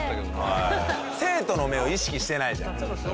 生徒の目を意識してないじゃん。